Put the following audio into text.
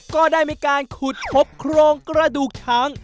ก็ได้มีการขุดพบโครงกระดูกช้าง